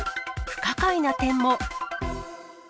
不可解な点も。